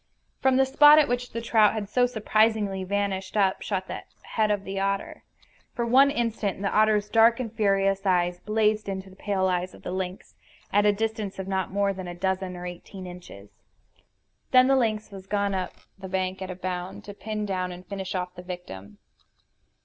From the spot at which the trout had so surprisingly vanished up shot the head of the otter. For one instant the otter's dark and furious eyes blazed into the pale eyes of the lynx, at a distance of not more than a dozen or eighteen inches. Then the lynx was gone up the bank at a bound, to pin down and finish off the victim.